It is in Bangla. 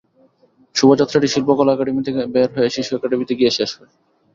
শোভাযাত্রাটি শিল্পকলা একাডেমি থেকে বের হয়ে শিশু একাডেমীতে গিয়ে শেষ হয়।